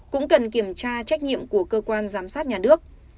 cũng cần kiểm tra trách nhiệm của cơ quan giám sát nhà nước